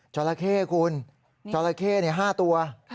จราเข้คุณจราเข้๕ตัว